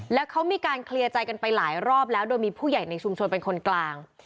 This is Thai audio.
แล้วเขามีการเคลียร์ใจกันไปหลายรอบแล้วโดยมีผู้ใหญ่ในชุมชนเป็นคนกลาง